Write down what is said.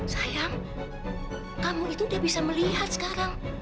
sayang kamu itu dia bisa melihat sekarang